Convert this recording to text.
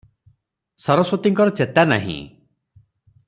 ସରସ୍ୱତୀଙ୍କର ଚେତା ନାହିଁ ।